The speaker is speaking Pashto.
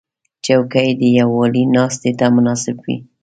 چوکۍ د یووالي ناستې ته مناسب وي.